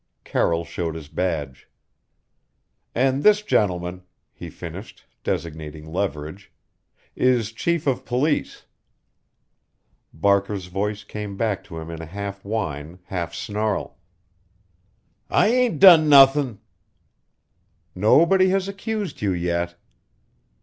Carroll showed his badge. "And this gentleman," he finished, designating Leverage, "is chief of police." Barker's voice came back to him in a half whine, half snarl. "I ain't done nothin' " "Nobody has accused you yet."